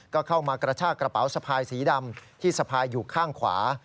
ก็เข้ามากระชากระเป๋าสะพายสีดำที่สะพายอยู่ข้างขวา